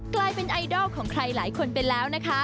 กลายเป็นไอดอลของใครหลายคนไปแล้วนะคะ